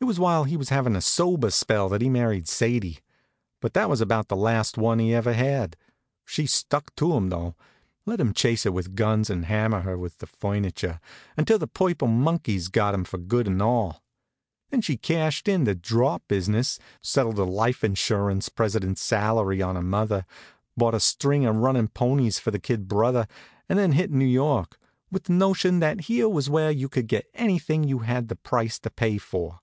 It was while he was having a sober spell that he married Sadie; but that was about the last one he ever had. She stuck to him, though; let him chase her with guns and hammer her with the furniture, until the purple monkeys got him for good and all. Then she cashed in the "Drop" business, settled a life insurance president's salary on her mother, bought a string of runnin' ponies for her kid brother, and then hit New York, with the notion that here was where you could get anything you had the price to pay for.